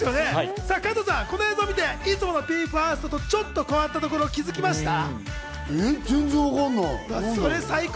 この映像を見て、いつものＢＥ：ＦＩＲＳＴとちょっと変わったところ、気づきました？